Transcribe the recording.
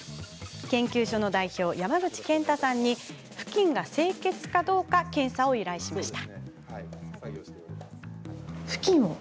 研究所の代表、山口憲太さんにふきんが清潔かどうか検査を依頼しました。